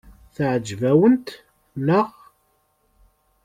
Teɛjeb-awent, naɣ?